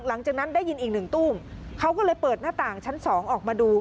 หลังจากนั้นได้ยินอีกหนึ่งตู้มเขาก็เลยเปิดหน้าต่างชั้นสองออกมาดู